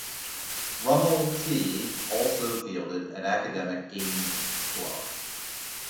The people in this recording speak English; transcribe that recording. Rummel T also fielded an Academic Games squad.